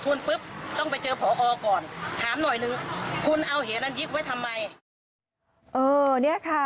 ถามหน่อยนึงคุณเอาเหตุนั้นยิ่งไว้ทำไม